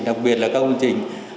đặc biệt là các công trình